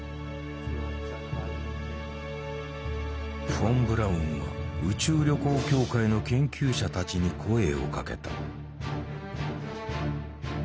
フォン・ブラウンは宇宙旅行協会の研究者たちに声をかけた。